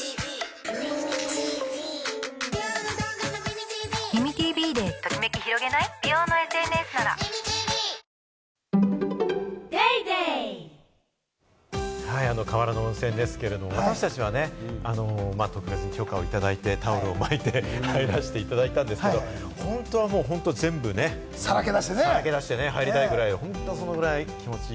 水層パックＵＶ「ビオレＵＶ」河原の温泉ですけれども、私たちはね、特別に許可をいただいて、タオルを巻いて入らしていただいたんですけど、本当は全部ね、さらけ出して入りたいくらい、そのくらい気持ちいい。